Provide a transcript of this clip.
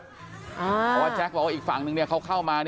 เพราะว่าแจ๊คบอกว่าอีกฝั่งนึงเขาเข้ามา